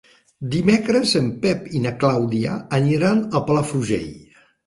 Dimecres en Pep i na Clàudia aniran a Palafrugell.